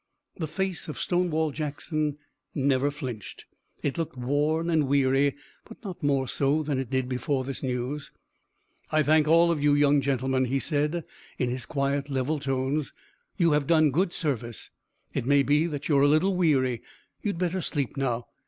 The face of Stonewall Jackson never flinched. It looked worn and weary but not more so than it did before this news. "I thank all of you, young gentlemen," he said in his quiet level tones. "You have done good service. It may be that you're a little weary. You'd better sleep now.